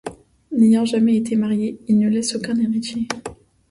N’ayant jamais été marié, il ne laisse aucun héritier.